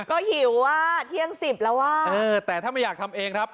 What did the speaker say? ก็หิวอ่ะเที่ยงสิบแล้วอ่ะเออแต่ถ้าไม่อยากทำเองครับ